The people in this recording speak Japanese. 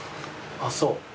あっそう？